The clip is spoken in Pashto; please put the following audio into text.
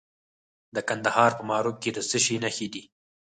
د کندهار په معروف کې د څه شي نښې دي؟